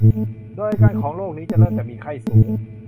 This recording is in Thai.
โดยอาการของโรคนี้จะเริ่มจากมีไข้สูง